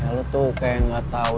lo tuh kayak gak tau